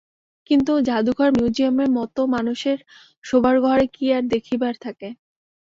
কিন্তু জাদুঘর মিউজিয়মের মতো মানুষের শোবার ঘরে কী আর দেখিবার থাকে?